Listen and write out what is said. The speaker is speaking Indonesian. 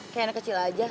kayak anak kecil aja